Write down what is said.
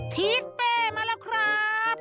ทิศเป้มาแล้วครับ